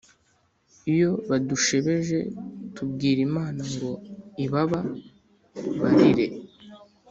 iyo badushebeje tubwira imana ngo ibaba barire.